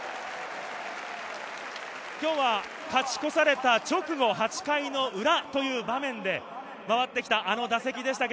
今日は勝ち越された直後、８回の裏という場面で、回ってきた、あの打席でした。